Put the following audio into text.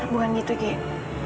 bukan gitu gek